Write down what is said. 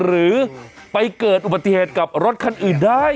หรือไปเกิดอุบัติเหตุกับรถคันอื่นได้